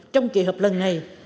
trong kỳ hợp lần này